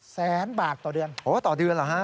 แสนบาทต่อเดือนโอ้ต่อเดือนเหรอฮะ